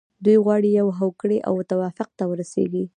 دوی غواړي یوې هوکړې او توافق ته ورسیږي.